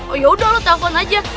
oh yaudah lu telepon aja